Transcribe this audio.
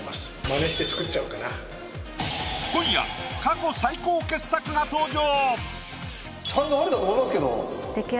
今夜過去最高傑作が登場！